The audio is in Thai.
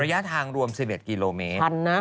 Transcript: และทางรวม๑๑กิโลเมตรคันนะ